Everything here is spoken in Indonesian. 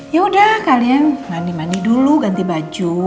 yaudah kalian mandi mandi dulu ganti baju